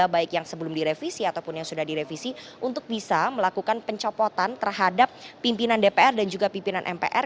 baik yang sebelum direvisi ataupun yang sudah direvisi untuk bisa melakukan pencopotan terhadap pimpinan dpr dan juga pimpinan mpr